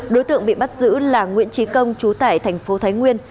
đối tượng bị bắt giữ là nguyễn trí công chú tải tp thái nguyên